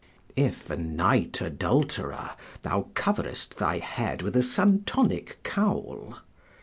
["If a night adulterer, thou coverest thy head with a Santonic cowl."